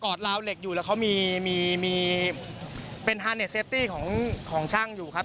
ลาวเหล็กอยู่แล้วเขามีมีเป็นฮาเนสเซฟตี้ของช่างอยู่ครับ